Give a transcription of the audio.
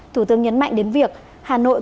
thủ tướng nhấn mạnh đến việc hà nội